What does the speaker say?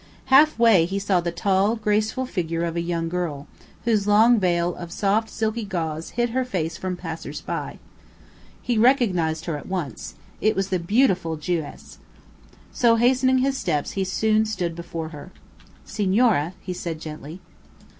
Half way he saw the tall, graceful figure of a young girl, whose long veil of soft silky gauze hid her face from passers by. He recognized her at once it was the beautiful Jewess. So, hastening his steps, he soon stood before her. "Senora," he said gently.